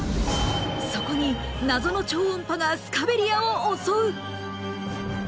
そこに謎の超音波がスカベリアを襲う！